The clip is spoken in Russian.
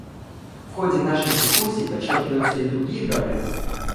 В ходе наших дискуссий подчеркиваются и другие проблемы.